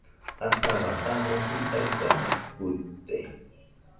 Ataua danɨ judaɨkana uite